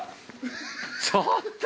ちょっと！